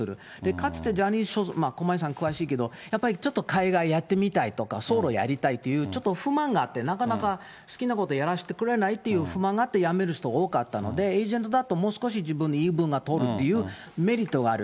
かつてジャニーズ所属、駒井さん詳しいけど、やっぱりちょっと海外やってみたいとか、そういうのをやりたいみたいなちょっと不満があって、なかなか好きなことやらせてくれないという不満があって辞める人、多かったので、エージェントだともう少し自分の言い分が通るっていうメリットがある。